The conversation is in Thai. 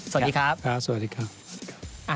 สวัสดีครับ